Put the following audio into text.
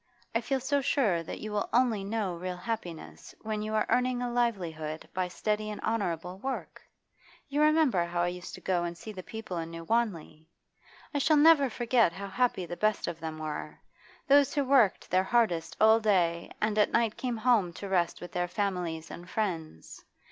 I feel so sure that you will only know real happiness when you are earning a livelihood by steady and honourable work. You remember how I used to go and see the people in New Wanley? I shall never forget how happy the best of them were, those who worked their hardest all day and at night came home to rest with their families and friends.